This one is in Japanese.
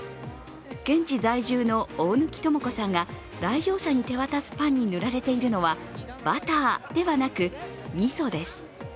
現地在住の大貫智子さんが来場者に手渡すパンに塗られているのはバターではなく、みそです。